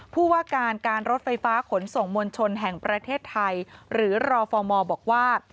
ผู้ว่าการการรถไฟฟ้าขนส่งมวลชนแห่งประเทศไทยหรือรอฟอร์มบอกว่า